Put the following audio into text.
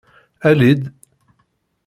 Ali-d!